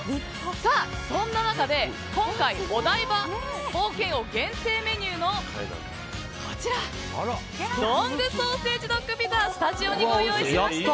そんな中で今回お台場冒険王限定メニューのロングソーセージドックピザスタジオにご用意しました！